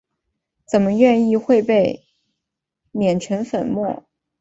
怎么愿意会被碾成粉末？